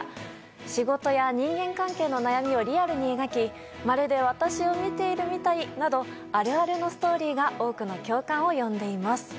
仕事や人間関係の悩みをリアルに描きまるで私を見ているみたいなどあるあるのストーリーが多くの共感を呼んでいます。